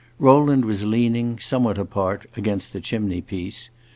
Rowland was leaning, somewhat apart, against the chimney piece.